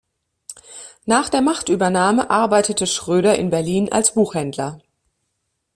Nach der Machtübernahme arbeitete Schröder in Berlin als Buchhändler.